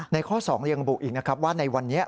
ข้อ๒ยังระบุอีกนะครับว่าในวันนี้